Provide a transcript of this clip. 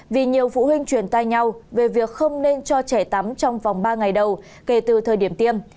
vì nhiều phụ huynh chuyển tay nhau về việc không nên cho trẻ tắm trong vòng ba ngày đầu kể từ thời điểm tiêm